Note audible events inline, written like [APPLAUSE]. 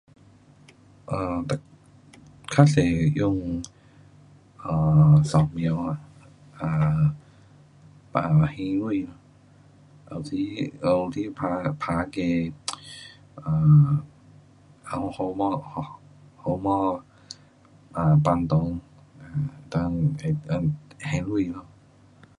um 嘚，较多是用 um 扫描啦，um 病了还钱咯，有时，有时打，打那个 [NOISE] um 号，号码 um 号码 um 放内能够，能够还钱咯。